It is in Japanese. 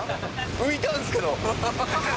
浮いたんすけど。